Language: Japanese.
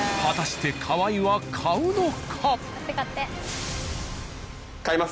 果たして河合は買うのか？